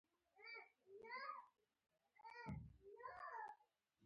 د امپراتورۍ ګارډ ته یې مخه کړه